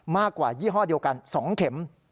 มากกว่ายี่ห้อเดียวกัน๒เข็ม